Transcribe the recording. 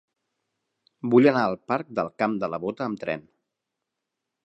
Vull anar al parc del Camp de la Bota amb tren.